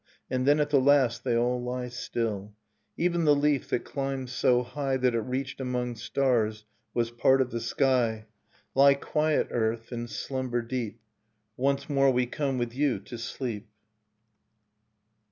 And then, at the last, they all lie still, — Even the leaf that climbed so high That it reached among stars, was part of sky. — Lie quiet, earth, and slumber deep. Once more we come with you to sleep.